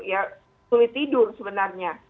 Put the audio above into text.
ya sulit tidur sebenarnya